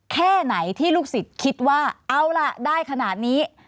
แค่ไหนที่ลูกศิษย์คิดว่าเอาล่ะได้ขนาดนี้